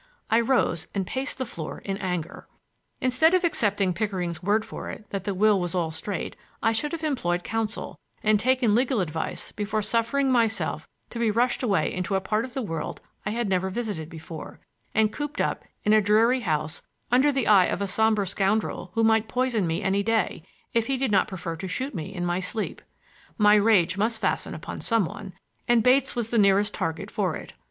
I rose and paced the floor in anger. Instead of accepting Pickering's word for it that the will was all straight, I should have employed counsel and taken legal advice before suffering myself to be rushed away into a part of the world I had never visited before, and cooped up in a dreary house under the eye of a somber scoundrel who might poison me any day, if he did not prefer to shoot me in my sleep. My rage must fasten upon some one, and Bates was the nearest target for it.